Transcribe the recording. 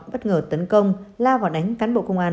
bất ngờ tấn công lao vào đánh cán bộ công an